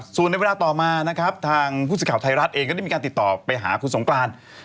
ส่วนในเวลาต่อมานะครับทางผู้สื่อข่าวไทยรัฐเองก็ได้มีการติดต่อไปหาคุณสงกราน